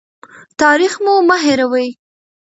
تاریخ مو مه هېروه.